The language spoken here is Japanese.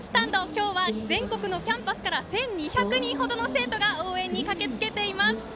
今日は全国のキャンパスから１５００人程の生徒が応援に駆けつけています。